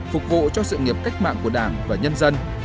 phục vụ cho sự nghiệp cách mạng của đảng và nhân dân